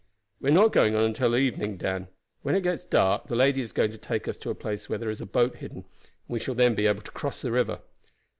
"We are not going on until the evening, Dan. When it gets dark the lady is going to take us to a place where there is a boat hidden, and we shall then be able to cross the river."